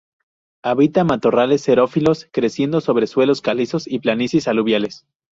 Habita matorrales xerófilos, creciendo sobre suelos calizos y planicies aluviales.